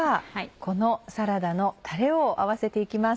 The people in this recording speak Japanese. このサラダのたれを合わせて行きます。